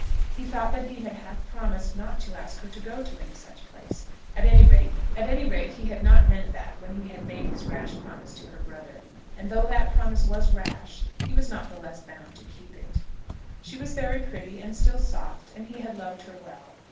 He thought that he had half promised not to ask her to go to any such place. At any rate, he had not meant that when he had made his rash promise to her brother; and though that promise was rash, he was not the less bound to keep it. She was very pretty, and still soft, and he had loved her well.